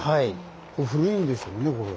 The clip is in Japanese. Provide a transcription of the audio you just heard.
古いんでしょうねこれ。